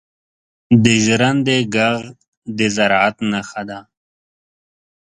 • د ژرندې ږغ د زراعت نښه ده.